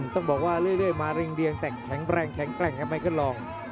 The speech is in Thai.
ต้องบอกว่าเรื่อยมาริงเดียงแต่แข็งแรงแข็งแกร่งครับไมเคิลลอง